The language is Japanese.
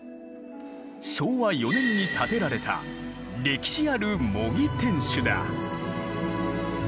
昭和４年に建てられた歴史ある模擬天守だ。